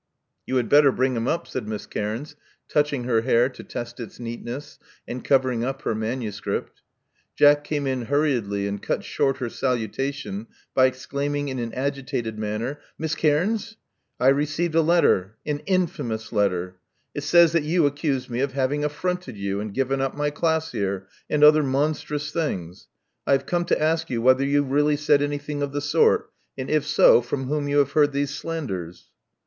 You had better bring him up," said Miss Cairns, touching her hair to test its neatness, and' covering up her manuscript. Jack came in hurriedly, and cut short her salutation by exclaiming in an agitated manner, Miss Cairns: I received a letter — an infamous letter. It says that you accuse me of having affronted you, and given up my class here, and other monstrous things. I have come to ask you whether you really said anything of the sort, and, if so, from whom you have heard these slanders."